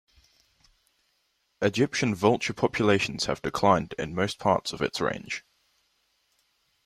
Egyptian vulture populations have declined in most parts of its range.